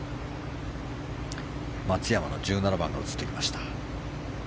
松山の１７番が映ってきました。